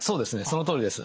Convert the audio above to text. そのとおりです。